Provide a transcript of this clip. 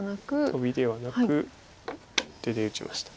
トビではなく出で打ちました。